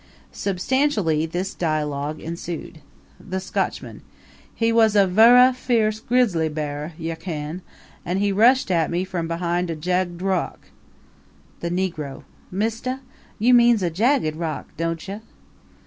Substantially this dialogue ensued: THE SCOTCHMAN He was a vurra fierce grizzly bear, ye ken; and he rushed at me from behind a jugged rock. THE NEGRO Mistah, you means a jagged rock, don't you?